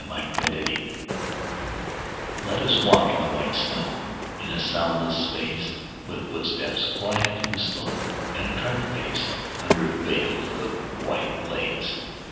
VELVET SHOES Let us walk in the white snow In a soundless space; With footsteps quiet and slow, At a tranquil pace, Under veils of white lace.